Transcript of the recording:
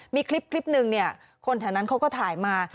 มีคลิปหนึ่งเนี่ยคนแถวนั้นเขาก็ถ่ายมา